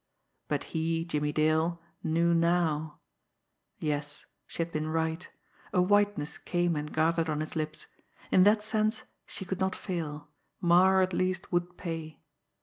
But he, Jimmie Dale, knew now. Yes, she had been right a whiteness came and gathered on his lips in that sense she could not fail, Marre at least would pay!